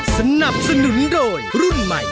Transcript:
สนับสนุนโดยรุ่นใหม่